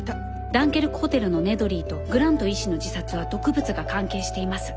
ダンケルクホテルのネドリーとグラント医師の自殺は毒物が関係しています。